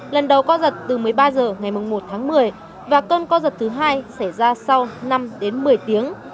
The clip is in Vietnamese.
lần đầu co giật từ một mươi ba h ngày một tháng một mươi và cơn co giật thứ hai xảy ra sau năm đến một mươi tiếng